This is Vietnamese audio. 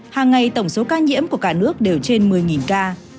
hàng ngày tổng số ca nhiễm của cả nước đều trên một mươi ca